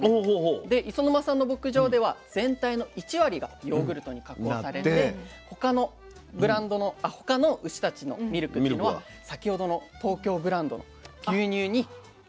磯沼さんの牧場では全体の１割がヨーグルトに加工されて他の牛たちのミルクっていうのは先ほどの東京ブランドの牛乳になって出荷される。